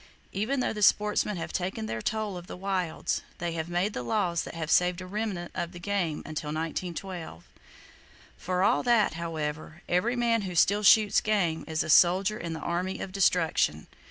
Even though the sportsmen have taken their toll of the wilds, they have made the laws that have saved a remnant of the game until 1912. For all that, however, every man who still shoots game is a soldier in the Army of Destruction!